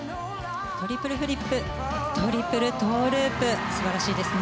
トリプルフリップトリプルトウループ素晴らしいですね